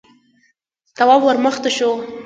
تواب ور مخته شو: